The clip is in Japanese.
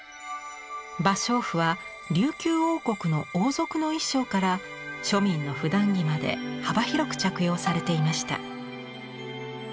芭蕉布は琉球王国の王族の衣装から庶民のふだん着まで幅広く着用されていました。